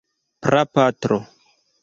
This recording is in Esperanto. prapatro